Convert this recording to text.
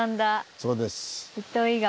そうです。